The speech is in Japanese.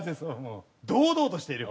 堂々としている。